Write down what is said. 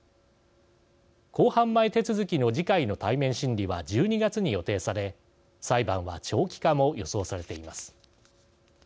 公判前手続きの次回の対面審理は１２月に予定され裁判は長期化も予想されています。